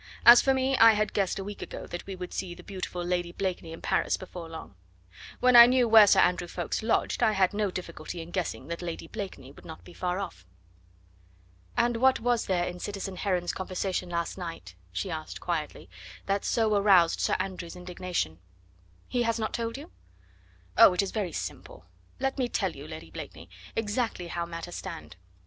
As for me, I had guessed a week ago that we would see the beautiful Lady Blakeney in Paris before long. When I knew where Sir Andrew Ffoulkes lodged, I had no difficulty in guessing that Lady Blakeney would not be far off." "And what was there in citizen Heron's conversation last night," she asked quietly, "that so aroused Sir Andrew's indignation?" "He has not told you?" "Oh! it is very simple. Let me tell you, Lady Blakeney, exactly how matters stand.